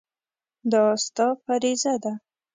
دا ستا فریضه ده.